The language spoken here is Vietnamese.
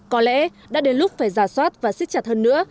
có lẽ đã đến lúc phải giả soát và xích chặt hơn nữa